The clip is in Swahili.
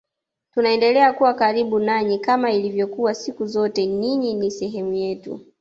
Tunaendelea kuwa karibu nanyi kama ilivyokuwa siku zote ninyi ni sehemu yetu